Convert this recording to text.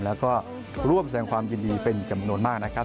แล้วก็ร่วมแสดงความยินดีเป็นจำนวนมากนะครับ